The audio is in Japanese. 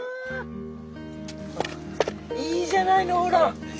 いいじゃないの？